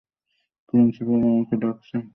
Principal আপনাকে ডাকছেন।